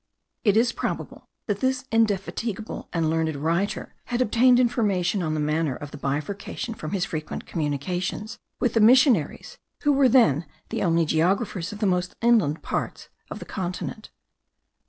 It is probable that this indefatigable and learned writer had obtained information on the manner of the bifurcation from his frequent communications with the missionaries,* who were then the only geographers of the most inland parts of the continents.